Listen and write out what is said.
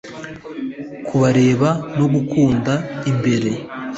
kubareba no gukanda imbere